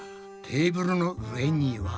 テーブルの上には。